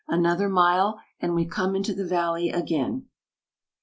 Another mile and we come into the valley again.